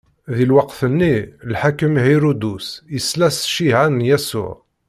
Di lweqt-nni, lḥakem Hiṛudus isla s cciɛa n Yasuɛ.